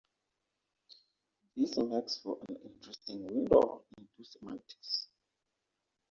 This makes for an interesting window into semantics.